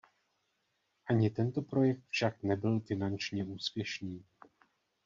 Ani tento projekt však nebyl finančně úspěšný.